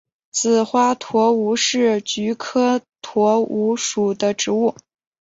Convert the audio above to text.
紫花橐吾是菊科橐吾属的植物。